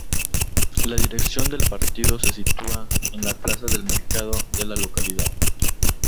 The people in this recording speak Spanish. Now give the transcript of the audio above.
La dirección del partido se sitúa en la Plaza del mercado de la localidad.